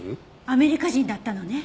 アメリカ人だったのね。